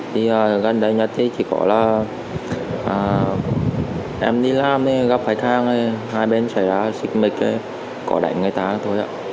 thì gần đây nhất thì chỉ có là em đi làm gặp khách hàng hai bên xảy ra xích mịch có đánh người ta thôi ạ